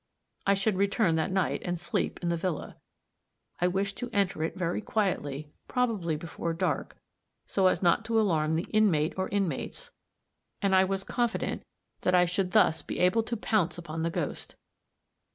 I should return that night and sleep in the villa; I wished to enter it very quietly, probably before dark, so as not to alarm the inmate or inmates; and I was confident that I should thus be able to pounce upon the ghost.